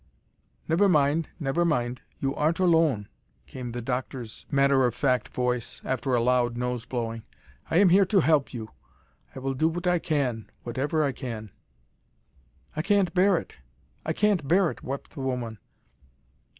"Never mind never mind you aren't alone," came the doctor's matter of fact voice, after a loud nose blowing. "I am here to help you. I will do whatever I can whatever I can." "I can't bear it. I can't bear it," wept the woman.